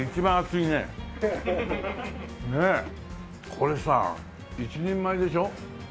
これさ１人前でしょ？